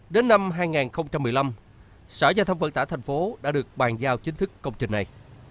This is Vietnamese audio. đến năm hai nghìn một mươi năm sở giao thông vận tải thành phố đã được bàn giao chính thức công trình này